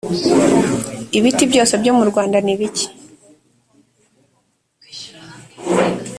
ibiti byose byo murwanda nibike.